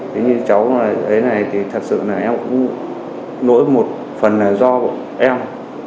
thế nhưng cháu ấy này thì thật sự em cũng nỗi một phần do em